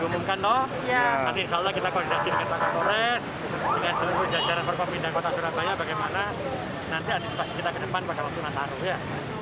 dengan seluruh jajaran perpimpinan kota surabaya bagaimana nanti antisipasi kita ke depan pada waktu nataruh